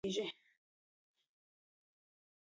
په یوه شکل سره د هغی ترتیب او تنظیمول د نظام په نوم یادیږی.